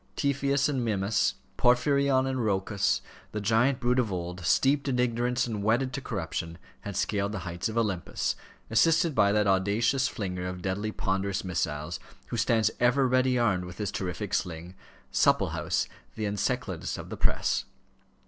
Typhoeus and Mimas, Porphyrion and Rhoecus, the giant brood of old, steeped in ignorance and wedded to corruption, had scaled the heights of Olympus, assisted by that audacious flinger of deadly ponderous missiles, who stands ever ready armed with his terrific sling Supplehouse, the Enceladus of the press.